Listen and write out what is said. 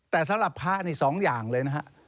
แต่สำหรับพระนี่สองอย่างเลยนะครับ